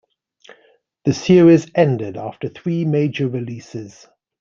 The series ended after three major releases.